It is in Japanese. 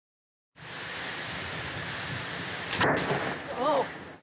あっ！